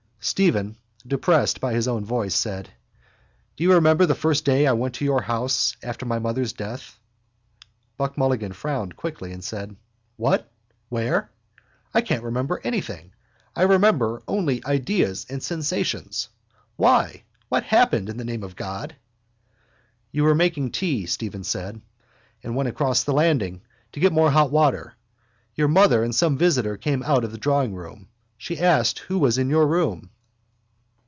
Stephen, depressed by his own voice, said: —Do you remember the first day I went to your house after my mother's death? Buck Mulligan frowned quickly and said: —What? Where? I can't remember anything. I remember only ideas and sensations. Why? What happened in the name of God? —You were making tea, Stephen said, and went across the landing to get more hot water. Your mother and some visitor came out of the drawingroom. She asked you who was in your room.